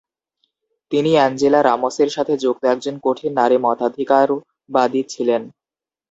তিনি অ্যাঞ্জেলা রামোসের সাথে যুক্ত একজন কঠিন নারী মতাধিকারবাদী ছিলেন।